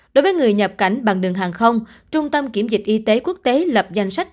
đối với người nhập cảnh bằng đường hàng không trung tâm kiểm dịch y tế quốc tế lập danh sách